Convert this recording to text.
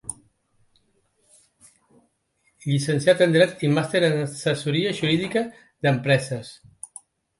Llicenciat en Dret i màster en Assessoria Jurídica d'Empreses.